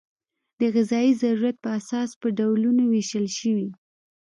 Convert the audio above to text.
د غذایي ضرورت په اساس په ډولونو وېشل شوي.